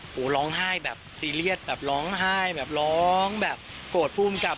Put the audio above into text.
โอ้โหร้องไห้แบบซีเรียสแบบร้องไห้แบบร้องแบบโกรธภูมิกับ